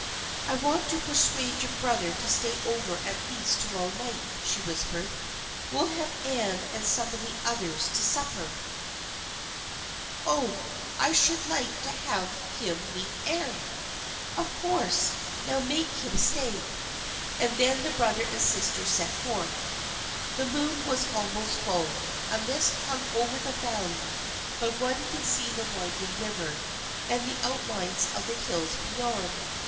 " I want to persuade your brother to stay over at least to morrow night," she whispered. " We'll have Anne and some of the others to supper." THE FRIENDSHIP OF ANNE 313 " Oh, I should like to have him meet Anne I "" Of course. Now make him stay." And then the brother and sister set forth. The moon was almost full. A mist hung over the valley, but one could see the winding river, and the outlines of the hills beyond.